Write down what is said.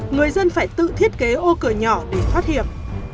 người dân phải tự thiết kế ô cửa nhỏ để thoát hiểm